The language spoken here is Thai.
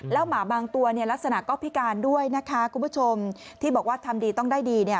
หมาบางตัวเนี่ยลักษณะก็พิการด้วยนะคะคุณผู้ชมที่บอกว่าทำดีต้องได้ดีเนี่ย